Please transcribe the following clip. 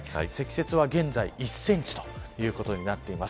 積雪は現在１センチということになっています。